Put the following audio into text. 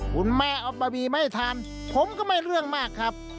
คุณแม่เอาบะหมี่มาให้ทานผมก็ไม่เรื่องมากครับ